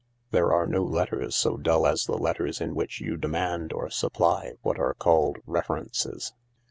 There are no letters so dull as the letters in which you demand or supply what are called " references."